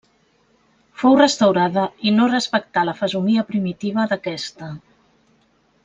Fou restaurada i no respectà la fesomia primitiva d'aquesta.